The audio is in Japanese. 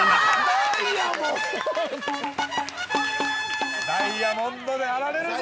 ◆ダイヤモンドであられるぞ！